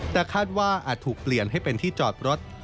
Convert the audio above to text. แต่คาดว่าอาจถูกเปลี่ยนให้เป็นที่จอดรถ